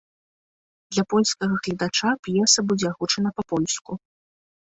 Для польскага гледача п'еса будзе агучана па-польску.